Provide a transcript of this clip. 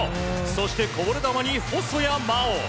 そして、こぼれ球に細谷真大。